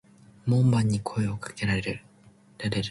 門番に声を掛けられる。